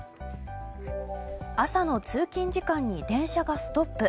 朝の通勤時間に電車がストップ。